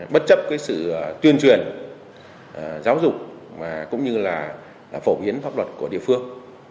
bất chấp sự tuyên truyền giáo dục cũng như phổ biến pháp luật của địa phương